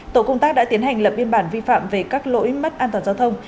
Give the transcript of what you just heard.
tổ công tác đã tiến hành lập biên bản vi phạm về các lỗi mất an toàn giao thông